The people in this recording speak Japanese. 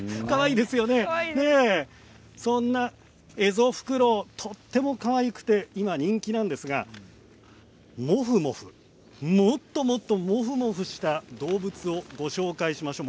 そんなエゾフクロウとてもかわいくて今人気なんですがもっともっとモフモフした動物をご紹介しましょう。